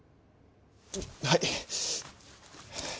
はい。